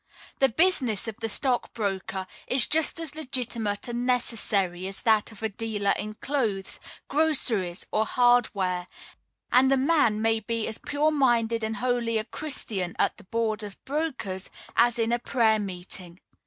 The business of the stock broker is just as legitimate and necessary as that of a dealer in clothes, groceries, or hardware; and a man may be as pure minded and holy a Christian at the Board of Brokers as in a prayer meeting.